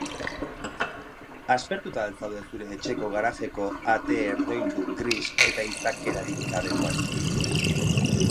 Aspertuta al zaude zure etxeko garajeko ate herdoildu, gris eta izakerarik gabekoarekin?